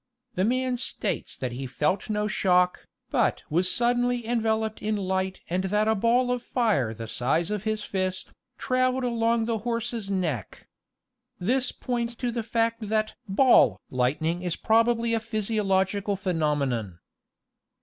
The man states that he felt no shock, but was suddenly enveloped in light and that a ball of fire the size of his fist, traveled along the horse's neck. This points to the fact that "ball" lightning is probably a physiological phe nomenon.